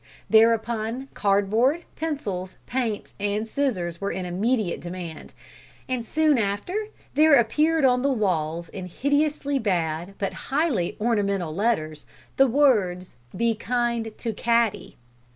Thereupon cardboard, pencils, paints, and scissors were in immediate demand, and soon after there appeared on the walls in hideously bad but highly ornamental letters, the words "Be kind to Cattie."